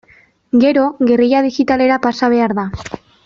Gero, gerrilla digitalera pasa behar da.